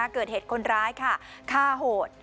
เกิดเหตุคนร้ายค่ะฆ่าโหด